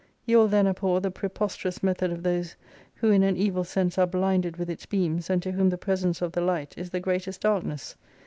You will then abhor the preposterous method of those, who in an evil sense are blinded with its beams, and to whom the presence of the light is the greatest darkness.